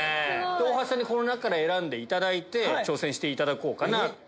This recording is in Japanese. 大橋さんに選んでいただいて挑戦していただこうかなと。